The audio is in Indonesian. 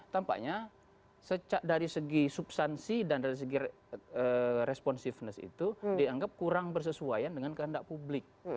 tampaknya dari segi substansi dan dari segi responsiveness itu dianggap kurang bersesuaian dengan kehendak publik